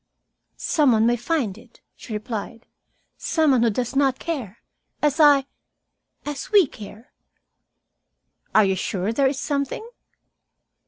"Some one may find it," she replied. "Some one who does not care, as I as we care." "Are you sure there is something?"